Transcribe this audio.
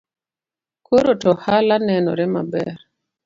Koro to ohala nenore maber